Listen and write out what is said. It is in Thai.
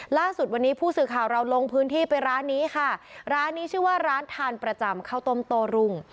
ล่าสุดวันนี้ผู้สื่อข่าวเราลงพื้นที่ไปร้านนี้ค่ะร้านนี้ชื่อว่าร้านทานประจำข้าวต้มโต้รุ่ง